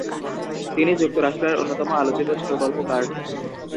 তিনি যুক্তরাষ্ট্রের অন্যতম আলোচিত ছোট গল্পকার।